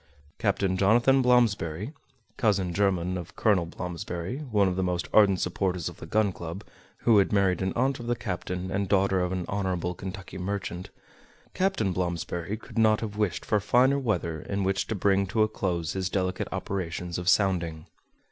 Captain Jonathan Blomsberry (cousin german of Colonel Blomsberry, one of the most ardent supporters of the Gun Club, who had married an aunt of the captain and daughter of an honorable Kentucky merchant)—Captain Blomsberry could not have wished for finer weather in which to bring to a close his delicate operations of sounding.